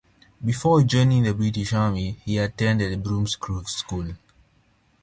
Before joining the British Army he attended Bromsgrove School.